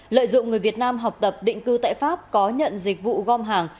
lợi dụng người việt nam học tập định cư tại pháp có nhận dịch vụ gom hàng